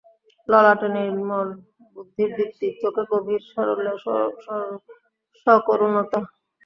ললাটে নির্মল বুদ্ধির দীপ্তি, চোখে গভীর সারল্যের সকরুণতা।